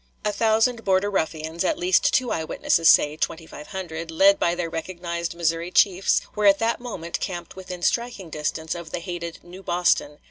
A thousand Border Ruffians (at least two eye witnesses say 2500), led by their recognized Missouri chiefs, were at that moment camped within striking distance of the hated "New Boston."